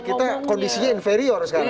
jadi kita kondisinya inferior sekarang